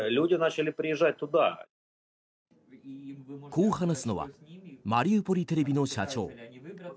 こう話すのはマリウポリテレビの社長。